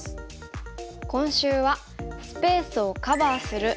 今週は「スペースをカバーする」。